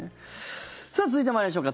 さあ、続いて参りましょうか。